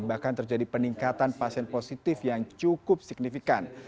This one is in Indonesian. bahkan terjadi peningkatan pasien positif yang cukup signifikan